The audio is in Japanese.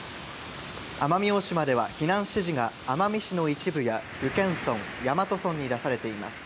奄美大島では、避難指示が奄美市の一部や宇検村、大和村に出されています。